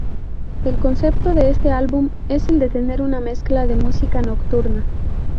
El concepto de este álbum es el de tener una mezcla de música nocturna.